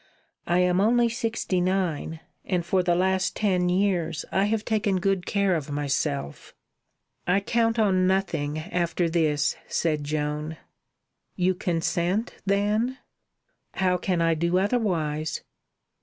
"I am only sixty nine, and for the last ten years I have taken good care of myself." "I count on nothing after this," said Joan. "You consent, then?" "How can I do otherwise?"